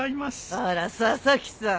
あら佐々木さん。